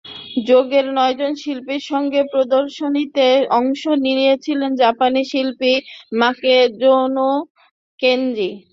যোগের নয়জন শিল্পীর সঙ্গে প্রদর্শনীতে অংশ নিয়েছিলেন জাপানি শিল্পী মাকিজোনো কেঞ্জি।